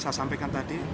saya sampaikan tadi